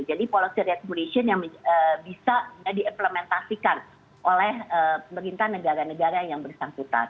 jadi policy recommendation yang bisa diimplementasikan oleh berintah negara negara yang bersangkutan